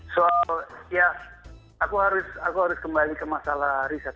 soal ya aku harus kembali ke masalah riset